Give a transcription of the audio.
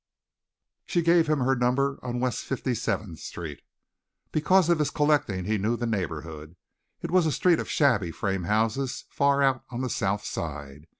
She gave him her number on West Fifty seventh Street. Because of his collecting he knew the neighborhood. It was a street of shabby frame houses far out on the South Side.